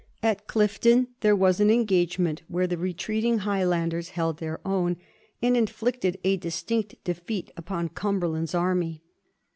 At Clifton there was an engagement where the re treating Highlanders held their own, and inflicted a distinct defeat upon Cumberland's army.